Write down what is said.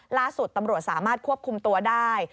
ล่าสุดตำรวจสามารถควบคุมตัวได้